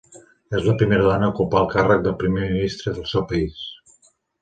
És la primera dona a ocupar el càrrec de primer ministre al seu país.